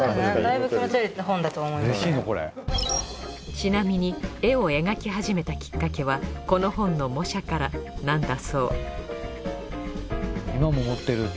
ちなみに絵を描き始めたきっかけはこの本の模写からなんだそう